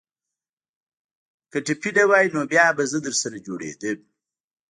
که ټپي نه واى نو بيا به زه درسره جوړېدم.